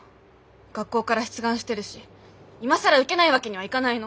学校がら出願してるし今更受けないわけにはいかないの！